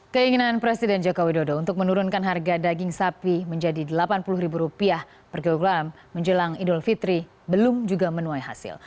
keinginan presiden joko widodo untuk menurunkan harga daging sapi menjadi rp delapan puluh per kilogram menjelang idul fitri belum juga menuai hasil